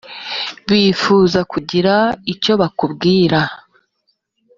bifuza kugira icyo bakubwira